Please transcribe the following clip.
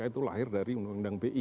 itu lahir dari undang undang bi